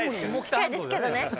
近いですけどね。